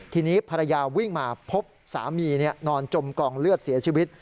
ทีนี้ภรรยาวิ่งมาพบสามีนอนจมกองเลือดเสียชีวิต